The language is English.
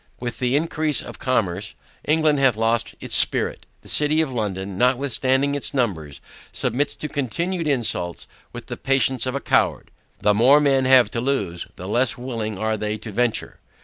With the increase of commerce, England hath lost its spirit. The city of London, notwithstanding its numbers, submits to continued insults with the patience of a coward. The more men have to lose, the less willing are they to venture.